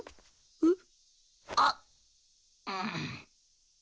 えっ？